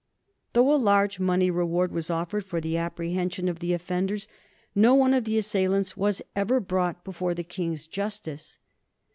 Though a large money reward was offered for the apprehension of the offenders, no one of the assailants was ever brought before the King's justice.